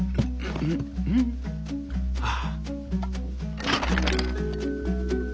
うん！あっ！